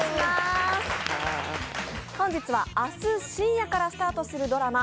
本日は明日深夜からスタートするドラマ